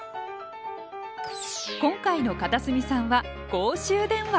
今回の片隅さんは公衆電話。